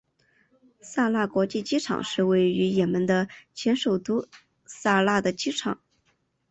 萨那国际机场是位于也门的前首都萨那的机场。